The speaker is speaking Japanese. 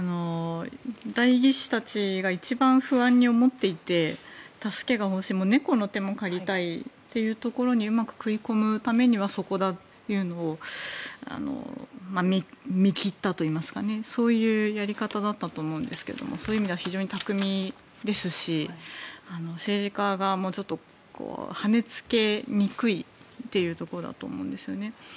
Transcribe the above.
代議士たちが一番、不安に思っていて助けが欲しい猫の手も借りたいというところにうまく食い込むためにはそこだというのを見切ったといいますかそういうやり方だったと思うんですけれどもそういう意味では非常に巧みですし政治家がもうちょっとはねつけにくいところだと思うんですね。